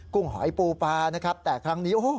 กุ้งหอยปูปลานะครับแต่ครั้งนี้